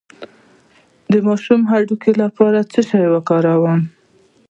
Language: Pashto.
د ماشوم د هډوکو لپاره څه شی ورکړم؟